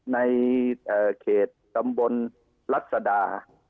ในเขตกลมบนลักษฎา